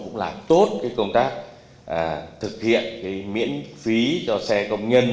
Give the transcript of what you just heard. cũng làm tốt cái công tác thực hiện cái miễn phí cho xe công nhân